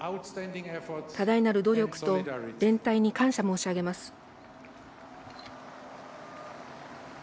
多大なる努力と、連帯に感謝申し上げます。